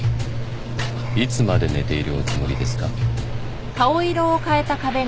いつまで寝ているおつもりですか？